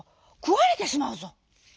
くわれてしまうぞ」。